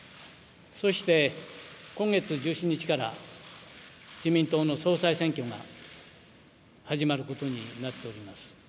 そして今月の１７日から自民党の総裁選挙が始まることになっております。